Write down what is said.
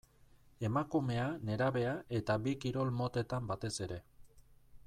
Emakumea, nerabea eta bi kirol motetan batez ere.